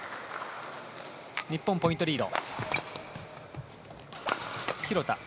日本、ポイントリード。